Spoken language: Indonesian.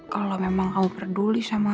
kalo memang kamu peduli sama aku